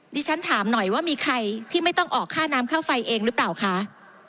ฉันถามหน่อยว่ามีใครที่ไม่ต้องออกค่าน้ำค่าไฟเองหรือเปล่าคะ